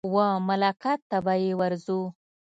وه ملاقات ته به يې ورځو.